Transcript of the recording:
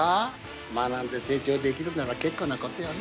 学んで成長できるなら結構なことよね。